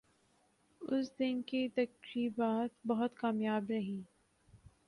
اس دن کی تقریبات بہت کامیاب رہیں ۔